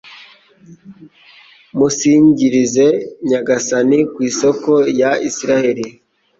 musingirize Nyagasani ku isoko ya Israheli